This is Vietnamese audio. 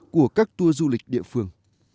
của các tour du lịch địa phương